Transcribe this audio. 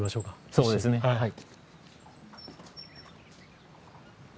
そうですねはい。